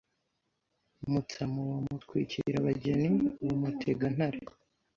Mutamu wa Mutwikirabageni wa Mutegantare